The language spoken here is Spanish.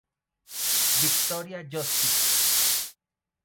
Victoria Justice.